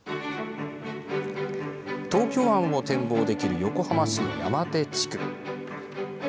東京湾を展望できる横浜市の山手地区。